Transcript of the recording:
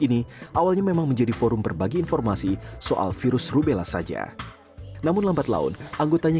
ini awalnya memang menjadi forum berbagi informasi soal virus rubella saja namun lambat laun anggotanya